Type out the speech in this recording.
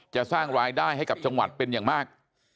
สร้างรายได้ให้กับจังหวัดเป็นอย่างมาก